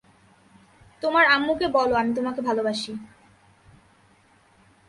তোমার আম্মুকে বলো, আমি তোমাকে ভালোবাসি।